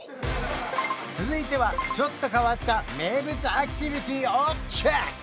続いてはちょっと変わった名物アクティビティをチェック！